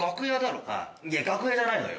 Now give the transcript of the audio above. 楽屋じゃないのよ。